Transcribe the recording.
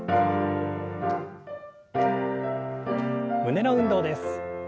胸の運動です。